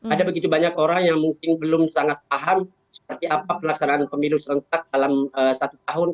ada begitu banyak orang yang mungkin belum sangat paham seperti apa pelaksanaan pemilu serentak dalam satu tahun